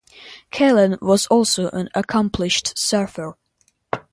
Callan was also an accomplished surfer.